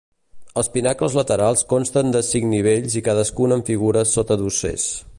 Els pinacles laterals consten de cinc nivells i cadascun amb figures sota dossers.